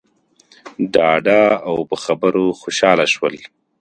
ډاډه او په خبرو خوشحاله شول.